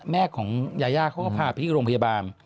แม่ของยายาเขาก็พาไปที่โรงพยาบาล